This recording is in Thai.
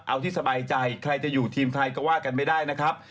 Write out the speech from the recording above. เอาที่สบายใจใครจะอยู่ทีมไทยก็ว่ากันไม่ได้นะครับ